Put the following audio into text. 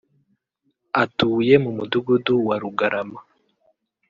atuye mu Mudugudu wa Rugarama